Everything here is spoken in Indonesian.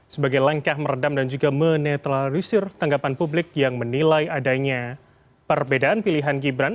sebagai langkah meredam dan juga menetralisir tanggapan publik yang menilai adanya perbedaan pilihan gibran